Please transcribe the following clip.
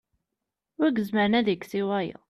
wi izemren ad ikkes i wiyaḍ